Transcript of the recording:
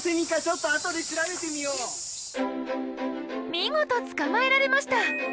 見事捕まえられました！